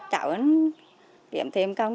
cho cháu kiếm thêm đồng tiền thu nhập cho gia đình